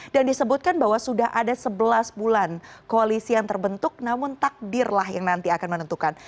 dan disebutkan bahwa sudah ada sebelas bulan koalisi yang terbentuk namun takdir lah yang nanti akan menentukan